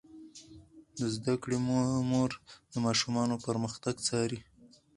د زده کړې مور د ماشومانو پرمختګ څاري.